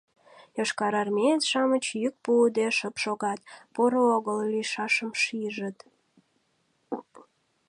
Йошкарармеец-шамыч йӱк пуыде шып шогат, поро огыл лийшашым шижыт.